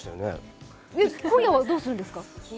今夜はどうするんですか。